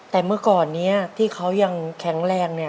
แต่เมื่อก่อนนี้ที่เขายังแข็งแรง